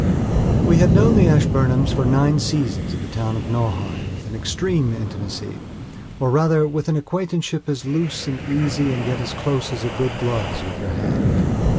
We had known the Ashburnhams for nine seasons of the town of Nauheim with an extreme intimacyor, rather with an acquaintanceship as loose and easy and yet as close as a good glove's with your hand.